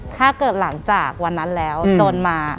ถ้าเกิดหลังจากวันนั้นแล้วจนมา